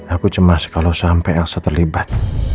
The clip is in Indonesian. aku cemas kalau sampai angsa terlibat